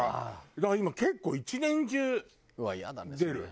だから今結構一年中出る。